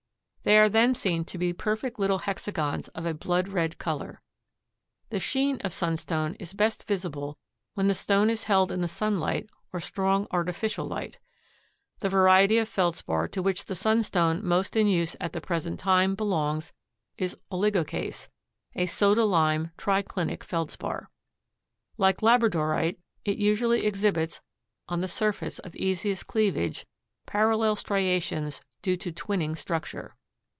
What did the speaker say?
They are then seen to be perfect little hexagons of a blood red color. The sheen of sunstone is best visible when the stone is held in the sunlight or strong artificial light. The variety of Feldspar to which the sunstone most in use at the present time belongs is oligoclase, a soda lime triclinic Feldspar. Like labradorite it usually exhibits on the surface of easiest cleavage parallel striations due to twinning structure.